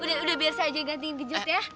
udah udah biar saya aja gantiin kejut ya